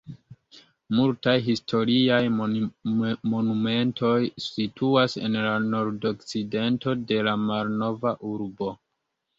Multaj historiaj monumentoj situas en la nordokcidento de la malnova urbo.